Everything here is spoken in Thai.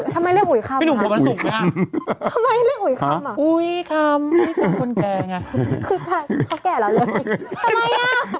ทำไมเรียกอุ๋ยคำนะฮะทำไมเลือกอุ๋ยคำอุ๋ยคำนี่จากคนแก่ไง